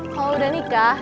kalau udah nikah